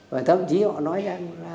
và thậm chí họ nói rằng là